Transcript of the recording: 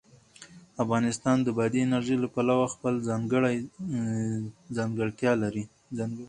افغانستان د بادي انرژي له پلوه خپله ځانګړې ځانګړتیا لري.